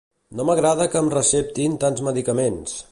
No m'agrada que em receptin tants medicaments